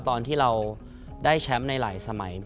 ตอนที่เราได้แชมป์ในหลายสมัย